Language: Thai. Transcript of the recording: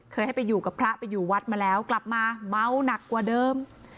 เคยให้ไปอยู่กับพระไปอยู่วัดมาแล้วกลับมาเมาหนักกว่าเดิม